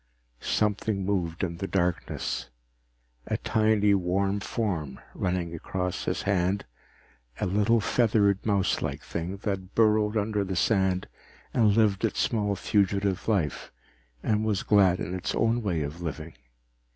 _ Something moved in the darkness, a tiny warm form running across his hand, a little feathered mouse like thing that burrowed under the sand and lived its small fugitive life and was glad in its own way of living.